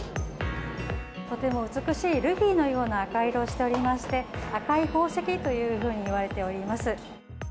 とても美しいルビーのような赤色をしておりまして、赤い宝石というふうにいわれております。